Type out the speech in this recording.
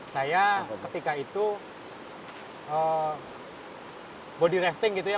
saya ketika itu body rafting gitu ya